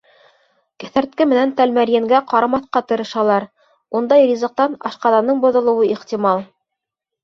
Кеҫәртке менән тәлмәрйенгә ҡарамаҫҡа тырышалар, ундай ризыҡтан ашҡаҙаның боҙолоуы ихтимал.